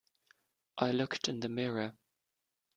I looked in the mirror.